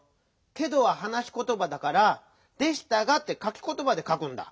「けど」ははなしことばだから「でしたが」ってかきことばでかくんだ。